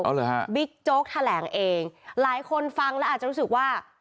เหรอฮะบิ๊กโจ๊กแถลงเองหลายคนฟังแล้วอาจจะรู้สึกว่า